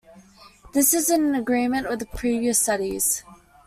This is in agreement with previous studies.